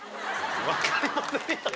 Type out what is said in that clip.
わかりませんやん。